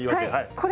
これ。